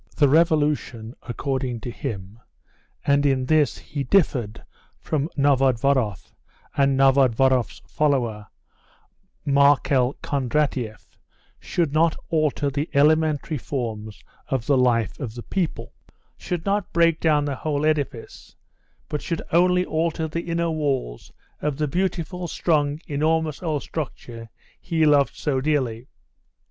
The revolution, according to him, and in this he differed from Novodvoroff and Novodvoroff's follower, Markel Kondratieff, should not alter the elementary forms of the life of the people, should not break down the whole edifice, but should only alter the inner walls of the beautiful, strong, enormous old structure he loved so dearly.